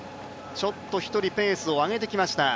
ちょっと１人ペースを上げてきました。